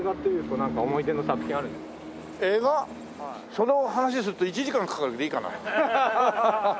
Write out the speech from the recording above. その話すると１時間かかるけどいいかな？